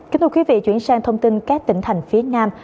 kính thưa quý vị chuyển sang thông tin các tỉnh thành phía nam